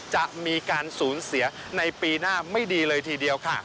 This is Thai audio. จะมีการสูญเสียในปีหน้าไม่ดีเลยทีเดียวค่ะ